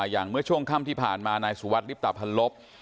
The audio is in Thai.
อย่างเมื่อช่วงค่ำที่ผ่านมานายสุวัสดิลิปตะพันลบ